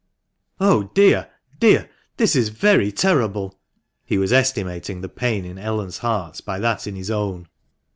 "Oh, dear! dear 1 this is very terrible!" He was estimating the pain in Ellen's heart by that in his own.